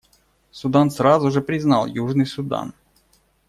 Судан сразу же признал Южный Судан.